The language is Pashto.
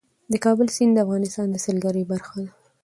د کابل سیند د افغانستان د سیلګرۍ برخه ده.